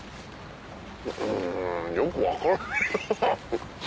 うんよく分からないハハハ！